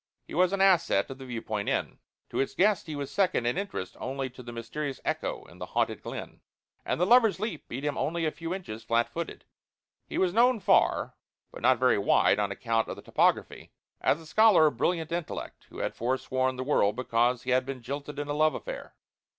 He was an asset of the Viewpoint Inn. To its guests he was second in interest only to the Mysterious Echo in the Haunted Glen. And the Lover's Leap beat him only a few inches, flat footed. He was known far (but not very wide, on account of the topography) as a scholar of brilliant intellect who had forsworn the world because he had been jilted in a love affair.